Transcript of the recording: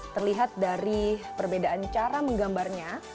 terlihat dari perbedaan cara menggambarnya